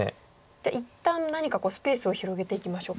じゃあ一旦何かスペースを広げていきましょうか。